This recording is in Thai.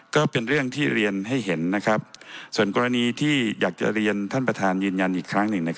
ก็เป็นเรื่องที่เรียนให้เห็นส่วนกรณีที่อยากจะเรียนท่านประธานยืนยันอีกครั้งหนึ่ง